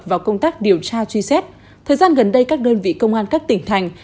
vào công tác điều tra truy xét thời gian gần đây các đơn vị công an các tỉnh thành